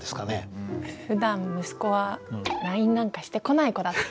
ふだん息子はＬＩＮＥなんかしてこない子だった。